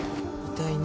痛いね。